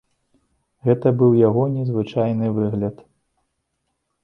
Гэта быў яго незвычайны выгляд.